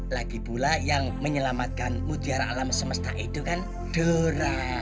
lagi pula yang menyelamatkan mutiara alam semesta itu kan dora